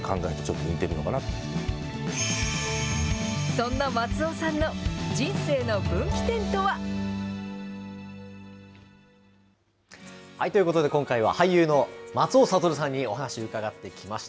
そんな松尾さんの人生の分岐点とは。ということで今回は、俳優の松尾諭さんにお話、伺ってきました。